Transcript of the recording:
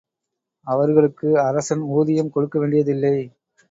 அவர்களுக்கு அரசன் ஊதியம் கொடுக்க வேண்டியதில்லை.